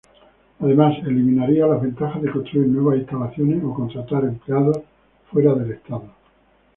Además, eliminaría las ventajas de construir nuevas instalaciones o contratar empleados fuera del estado.